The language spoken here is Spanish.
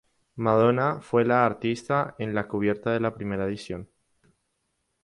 Madonna fue la artista en la cubierta de la primera edición.